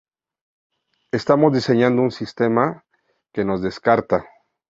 Estamos diseñando un sistema que nos descarta".